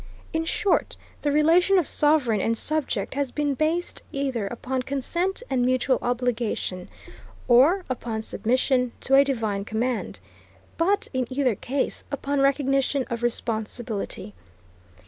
In short, the relation of sovereign and subject has been based either upon consent and mutual obligation, or upon submission to a divine command; but, in either case, upon recognition of responsibility.